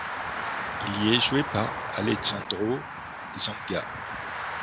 Il y est joué par Alejandro Zanga.